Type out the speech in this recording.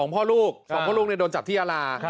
พ่อลูก๒พ่อลูกโดนจับที่ยาลา